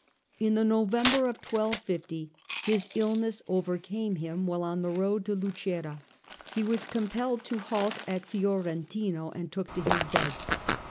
In the November of 1250 his illness overcame him while on the road to Lucera. He was compelled to halt at Fiorentino and took to his bed.